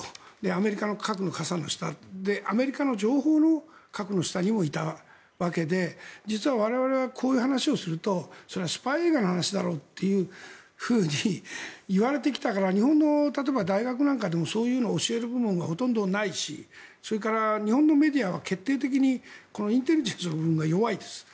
アメリカの核の傘の下でアメリカの情報の傘の下にもいたわけで実は我々はこういう話をするとそれはスパイ映画の話だろうというふうに言われてきたから日本の例えば大学なんかでもそういうのを教える部門がほとんどないしそれから日本のメディアは決定的にインテリジェンスの部分が弱いです。